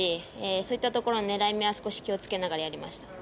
そういったところ、狙い目は気を付けながらやりました。